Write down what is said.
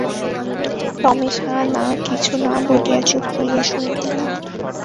রমেশ হাঁ-না কিছু না বলিয়া চুপ করিয়া শুনিতে লাগিল।